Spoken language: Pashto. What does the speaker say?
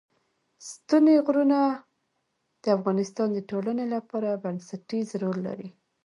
ستوني غرونه د افغانستان د ټولنې لپاره بنسټيز رول لري.